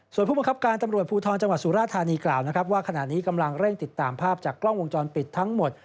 ส่วนผู้บังคับการตำรวจภูทรจังหวัดสุราธานีกล่าวนะครับว่าขณะนี้กำลังเร่งติดตามภาพจากกล้องวงจรปิดทั้งหมด